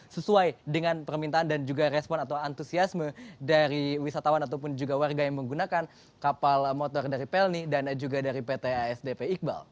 sesuai dengan permintaan dan juga respon atau antusiasme dari wisatawan ataupun juga warga yang menggunakan kapal motor dari pelni dan juga dari pt asdp iqbal